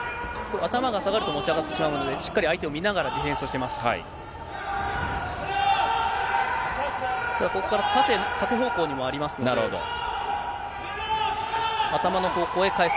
頭が下がると持ち上がってしまうので、しっかり相手を見ながら、ディフェンスをしてます。